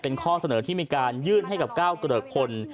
เป็นข้อเสนอที่มีการยื่นให้กับก้าวเกริกพล